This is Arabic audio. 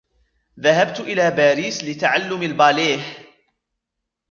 ذهبت إلى باريس لتعلّم الباليه.